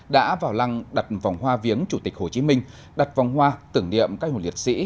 đã vào lăng đặt vòng hoa viếng chủ tịch hồ chí minh đặt vòng hoa tưởng niệm các hồ liệt sĩ